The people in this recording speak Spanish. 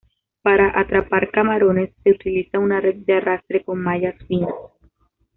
Para atrapar camarones, se utiliza una red de arrastre con mallas finas.